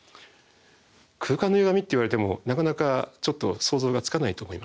空間のゆがみっていわれてもなかなかちょっと想像がつかないと思います。